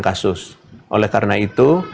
kasus oleh karena itu